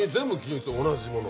同じもの。